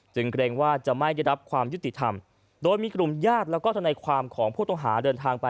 เกรงว่าจะไม่ได้รับความยุติธรรมโดยมีกลุ่มญาติแล้วก็ทนายความของผู้ต้องหาเดินทางไป